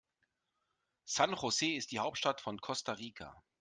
San José ist die Hauptstadt von Costa Rica.